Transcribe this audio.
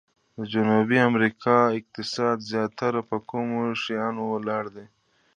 د جنوبي امریکا اقتصاد زیاتره په کومو شیانو ولاړ دی؟